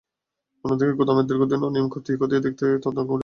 অন্যদিকে গুদামের দীর্ঘদিনের অনিয়ম খতিয়ে দেখতে একটি তদন্ত কমিটি গঠন করা হয়েছে।